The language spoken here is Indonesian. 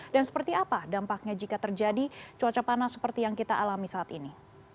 dan seperti apa dampaknya jika terjadi cuaca panas seperti yang kita alami saat ini